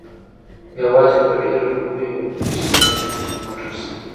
یوازې په ډیرو لویو میشت ځایونو کې نور موټر شته